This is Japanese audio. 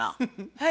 はい。